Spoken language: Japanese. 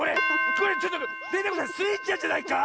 これちょっとデテコさんスイちゃんじゃないか